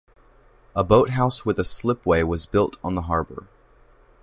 A boat house with a slipway was built on the harbour.